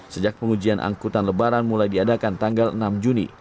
sejak pengujian angkutan lebaran mulai diadakan tanggal enam juni